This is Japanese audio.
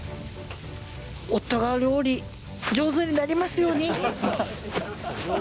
夫が料理上手になりますように。